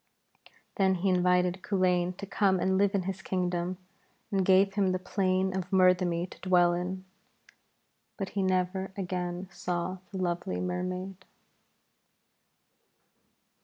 Then he invited Culain to come and live in his kingdom, and gave him the plain of Murthemny to dwell in. But he never again saw the lovely Mermaid.